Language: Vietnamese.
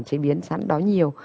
chế biến sẵn đó nhiều